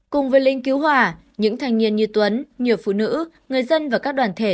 cùng với lính cứu hỏa những thanh niên như tuấn nhiều phụ nữ người dân và các đoàn thể